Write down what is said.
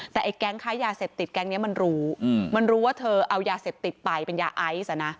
แต่ไอ้แก๊งค้ายาเสพติดแก๊งนี้มันรู้มันรู้ว่าเธอเอายาเสพติดไปเป็นยาไอซ์